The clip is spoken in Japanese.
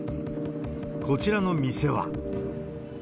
こちらの店は。